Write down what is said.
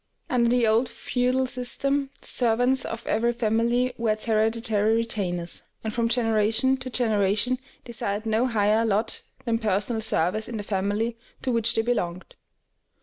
Under the old feudal system, the servants of every family were its hereditary retainers, and from generation to generation desired no higher lot than personal service in the family to which they belonged.